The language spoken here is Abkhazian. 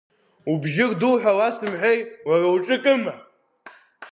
Убжьы рду ҳәа уасымҳәеи, уара уҿы акыма?!